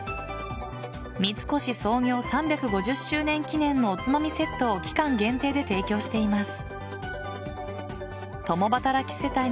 三越創業３５０周年記念のおつまみセットを期間限定で提供しています。